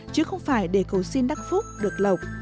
chứ không phải để cầu xin đắc phúc được lộc